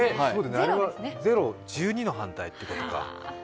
あれは０、１２の反対ってことか。